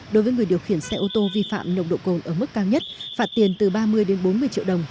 đối với người điều khiển xe ô tô vi phạm nồng độ cồn ở mức cao nhất phạt tiền từ ba mươi đến bốn mươi triệu đồng